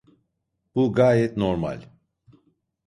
Bu gayet normal.